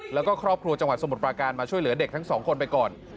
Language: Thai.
แล้วก็ครอบครัวจังหวัดสมุทรปราการมาช่วยเหลือเด็กทั้งสองคนไปก่อน